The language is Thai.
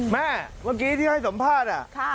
แม่เมื่อกี้ที่ให้สัมภาษณ์อ่ะค่ะ